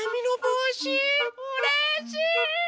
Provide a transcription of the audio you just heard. うれしい！